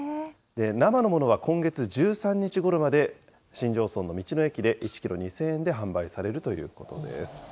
生のものは今月１３日ごろまで、新庄村の道の駅で１キロ２０００円で販売されるということです。